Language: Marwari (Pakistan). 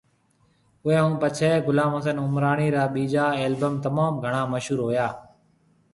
اوئي ھونپڇي غلام حسين عمراڻي را ٻيجا البم تموم گھڻا مشھور ھوئا